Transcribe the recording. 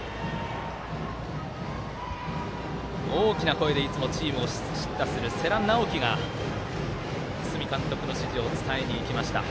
大きな声でいつもチームを鼓舞する世良直輝が堤監督の指示を伝えにいきました。